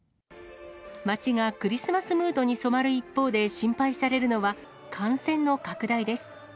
街がクリスマスムードに染まる一方で、心配されるのは、感染の拡大です。